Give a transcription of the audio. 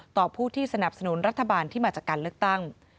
ผู้ที่สนับสนุนรัฐบาลที่มาจากการเลือกตั้ง